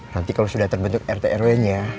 nanti kalau sudah terbentuk rt rw nya